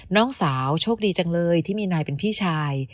น้องสาวโชคดีจังเลยที่มีนายเป็นพี่ชาย